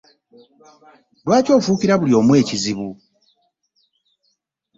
Lwaki ofuukira buli omu ekizibu?